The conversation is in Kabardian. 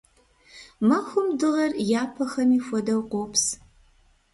Махуэм дыгъэр, япэхэми хуэдэу, къопс.